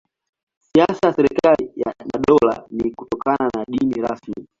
Siasa ya serikali na dola ni kutokuwa na dini rasmi.